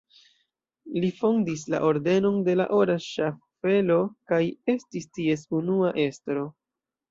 Li fondis la Ordenon de la Ora Ŝaffelo kaj estis ties unua estro.